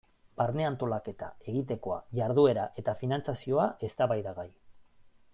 Barne antolaketa, egitekoa, jarduera eta finantzazioa eztabaidagai.